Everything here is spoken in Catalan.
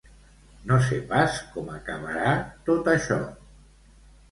No sé pas com acabarà tot això!